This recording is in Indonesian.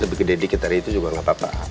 lebih gede dikit tadi itu juga gak apa apa